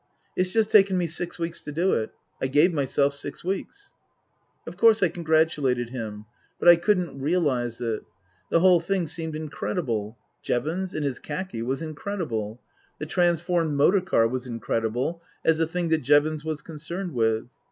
" It's just taken me six weeks to do it. I gave myself six weeks." Of course I congratulated him. But I couldn't realize t. The whole thing seemed incredible. Jevons in his khaki was incredible. The transformed motor car was incredible, as a thing that Jevons was concerned with.